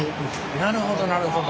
なるほどなるほど。